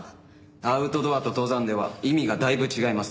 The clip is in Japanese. アウトドアと登山では意味がだいぶ違います。